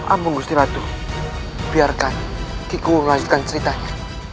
ampung gusti ratu biarkan kiku melanjutkan ceritanya